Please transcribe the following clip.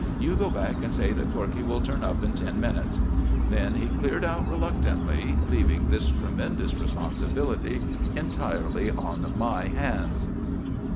"You go back and say that Corkey will turn up in ten minutes." Then he cleared out reluctantly, leaving this tremendous responsibility entirely on my hands.